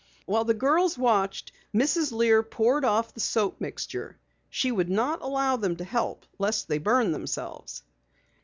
While the girls watched, Mrs. Lear poured off the soap mixture. She would not allow them to help lest they burn themselves.